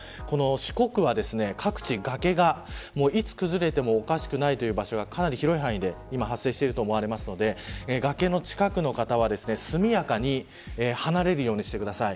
四国は各地、崖がいつ崩れてもおかしくないという場所が、かなり広い範囲で今、発生していると思うので崖の近くの方は速やかに離れるようにしてください。